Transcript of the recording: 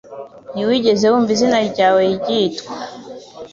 Ntiwigeze wumva izina ryawe ryitwa?